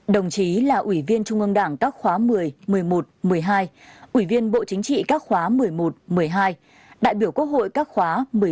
đồng chí là ủy viên trung ương đảng các khóa một mươi một mươi một một mươi hai ủy viên bộ chính trị các khóa một mươi một một mươi hai đại biểu quốc hội các khóa một mươi bốn